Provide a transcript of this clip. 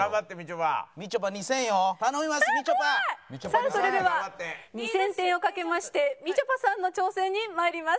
さあそれでは２０００点を賭けましてみちょぱさんの挑戦に参ります。